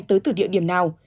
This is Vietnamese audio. tới từ địa điểm nào